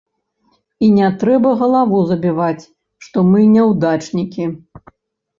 І не трэба галаву забіваць, што мы няўдачнікі.